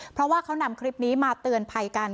เพราะว่าเขานำคลิปนี้มาเตือนภัยกัน